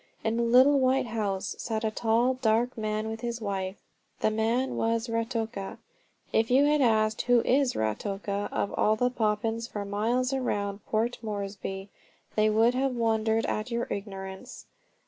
In a little white house sat a tall, dark man with his wife. The man was Ruatoka. If you had asked "Who is Ruatoka?" of all the Papuans for miles around Port Moresby, they would have wondered at your ignorance.